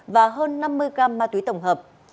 và hơn năm mươi g ma túy tổng hợp